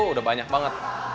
sudah banyak banget